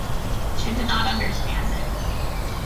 She did not understand it.